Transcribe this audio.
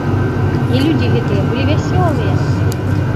І людзі гэтыя былі вясёлыя!